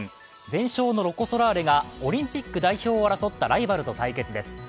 全勝のロコ・ソラーレがオリンピック代表を争ったライバルと対決です。